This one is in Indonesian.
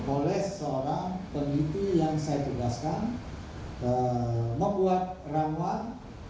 oleh seorang peneliti yang saya tugaskan membuat ramuan